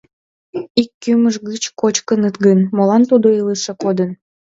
Ик кӱмыж гыч кочкыныт гын, молан тудо илыше кодын?..